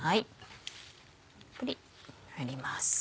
たっぷり入ります。